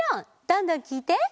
どんどんきいて！